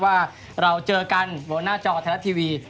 ว่าเราเจอกันบนหน้าจอไทยรัฐทีวี